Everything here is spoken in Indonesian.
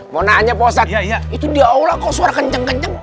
mau nanya pak ustadz itu dia aula kok suara kenceng kenceng